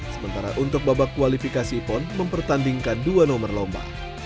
sementara untuk babak kualifikasi pon mempertandingkan dua nomor lomba